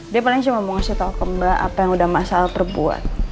dia paling cuman mau kasih tau ke mbak apa yang udah masalah terbuat